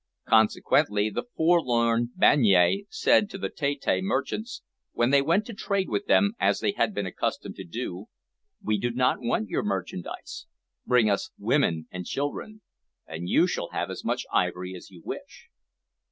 Consequently, the forlorn Banyai said to the Tette merchants, when they went to trade with them as they had been accustomed to do, "We do not want your merchandise. Bring us women and children, and you shall have as much ivory as you wish."